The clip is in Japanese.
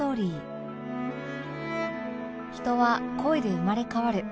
人は恋で生まれ変わる